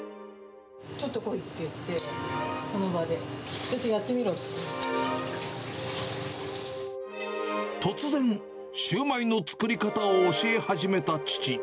ちょっと来いって言って、その場で、突然、シューマイの作り方を教え始めた父。